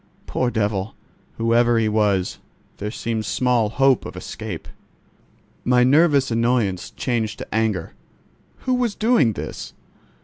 Poor devil! whoever he was, there seemed small hope of escape! My nervous annoyance changed to anger. Who was doing this?